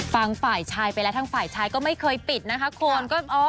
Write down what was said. ฝ่ายชายไปแล้วทางฝ่ายชายก็ไม่เคยปิดนะคะคุณ